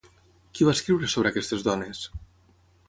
Qui va escriure sobre aquestes dones?